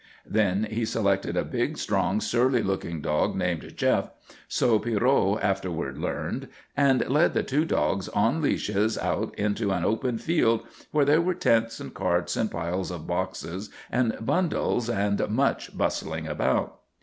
Then he selected a big, strong, surly looking dog named Jef, so Pierrot afterward learned, and led the two dogs on leashes out into an open field where there were tents and carts and piles of boxes and bundles and much bustling about.